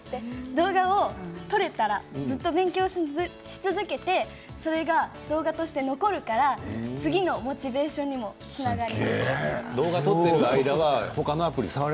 動画を撮れたらずっと勉強し続けてそれが動画として残るから次のモチベーションにもつながる。